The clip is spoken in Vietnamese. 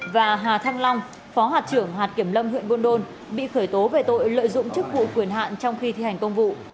và hà thanh long phó hạt trưởng hạt kiểm lâm huyện buôn đôn bị khởi tố về tội lợi dụng chức vụ quyền hạn trong khi thi hành công vụ